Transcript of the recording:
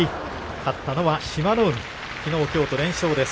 勝ったのは志摩ノ海、きのう、きょうと連勝です。